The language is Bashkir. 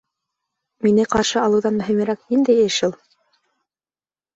Мине ҡаршы алыуҙан мөһимерәк ниндәй эш ул?